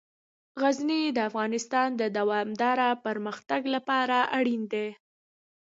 غزني د افغانستان د دوامداره پرمختګ لپاره اړین دي.